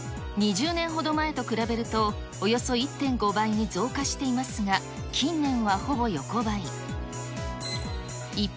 ２０年ほど前と比べると、およそ１．５倍に増加していますが、近年はほぼ横ばい。